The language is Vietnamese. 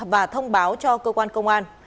và thông báo cho cơ quan công an